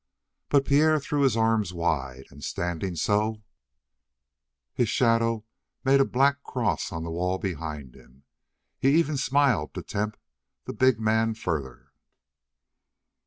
But Pierre threw his arms wide, and standing so, his shadow made a black cross on the wall behind him. He even smiled to tempt the big man further.